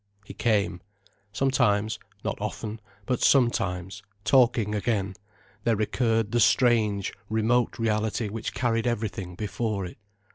He came. Sometimes, not often, but sometimes, talking again, there recurred the strange, remote reality which carried everything before it.